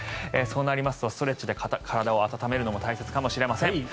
そうなりますとストレッチで体を温めるのも大切かもしれません。